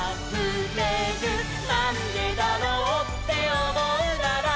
「なんでだろうっておもうなら」